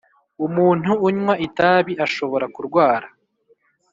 umuntu unywa itabi ashobora kurwara